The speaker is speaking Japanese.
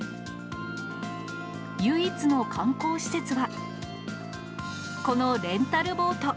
唯一の観光施設は、このレンタルボート。